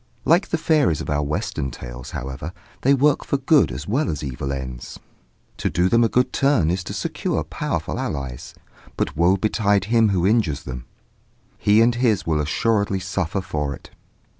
Like the fairies of our Western tales, however, they work for good as well as for evil ends. To do them a good turn is to secure powerful allies; but woe betide him who injures them! he and his will assuredly suffer for it.